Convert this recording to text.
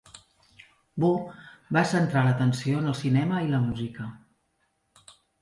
Wu va centrar l'atenció en el cinema i la música.